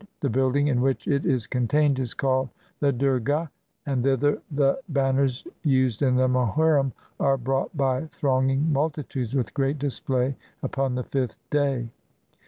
The building in which it is contained is called the Durgah; and thither the ban ners used in the Mohurrim are brought by thronging multitudes with great display upon the fifth day.